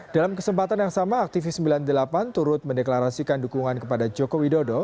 dalam kesempatan yang sama aktivis sembilan puluh delapan turut mendeklarasikan dukungan kepada joko widodo